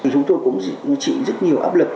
chúng tôi cũng chịu rất nhiều áp lực